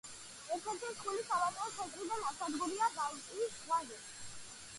ერთ-ერთი მსხვილი სავაჭრო ცენტრი და ნავსადგურია ბალტიის ზღვაზე.